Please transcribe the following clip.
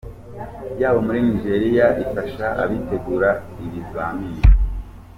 ng y’abo muri Nigeria ifasha abitegura ibizamini.